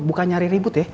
bukan nyari ribut ya